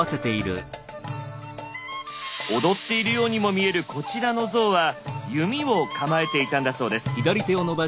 踊っているようにも見えるこちらの像は弓を構えていたんだそうです。